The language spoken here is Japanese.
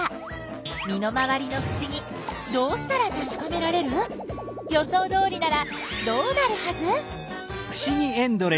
身の回りのふしぎどうしたらたしかめられる？予想どおりならどうなるはず？